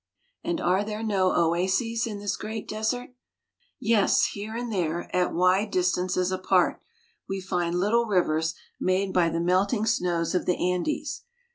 And are there no oases in this great desert? Yes ; here and there, at wide distances apart, we find little rivers made by the melting snows of the Andes.